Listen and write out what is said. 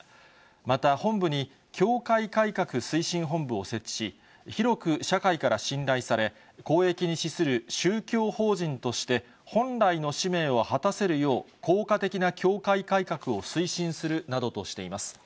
また、本部に教会改革推進本部を設置し、広く社会から信頼され、公益に資する宗教法人として、本来の使命を果たせるよう、効果的な教会改革を推進するなどとしています。